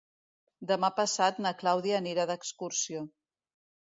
Demà passat na Clàudia anirà d'excursió.